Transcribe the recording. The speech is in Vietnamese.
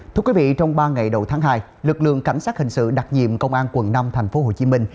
thưa quý vị trong ba ngày đầu tháng hai lực lượng cảnh sát hình sự đặc nhiệm công an quận năm thành phố hồ chí minh